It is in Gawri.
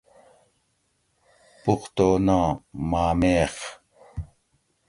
پختو نام -------- ما میخ